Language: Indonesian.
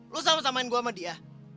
lu sama samain gue sama dia